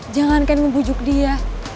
jangan kan ngebujuk dia